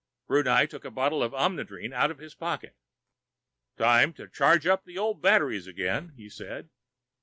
Brunei took a bottle of Omnidrene out of his pocket. "Time to charge up the old batteries again," he said.